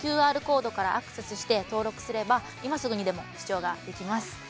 ＱＲコードからアクセスして登録すれば今すぐにでも視聴できます。